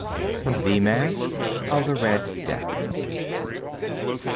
THE MASQUE OF THE RED DEATH.